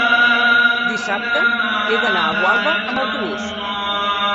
dissabte he d'anar a Gualba amb autobús.